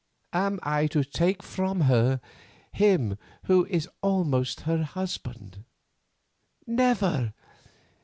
Am I to take from her him who is almost her husband? Never.